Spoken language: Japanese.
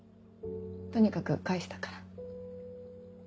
とにかく返したから。